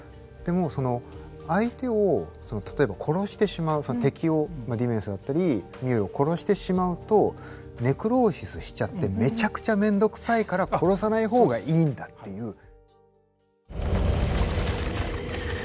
でもその相手を例えば殺してしまう敵をディメンスだったりミュールを殺してしまうとネクローシスしちゃってめちゃくちゃめんどくさいから殺さない方がいいんだっていう。